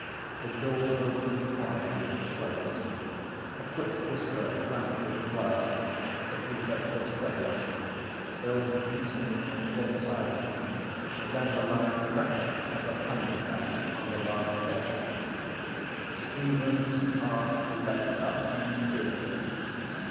The door opened quietly and closed. A quick whisper ran through the class: the prefect of studies. There was an instant of dead silence and then the loud crack of a pandybat on the last desk. Stephen’s heart leapt up in fear.